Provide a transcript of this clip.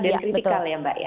dan kritikal ya mbak ya